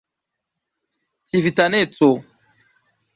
civitaneco